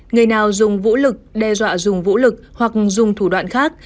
người nào dùng vũ lực đe dọa dùng vũ lực hoặc dùng thủ đoạn khác